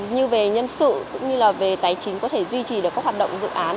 như về nhân sự cũng như là về tài chính có thể duy trì được các hoạt động dự án